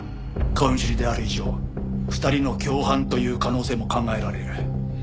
顔見知りである以上２人の共犯という可能性も考えられる。